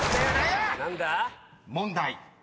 ［問題］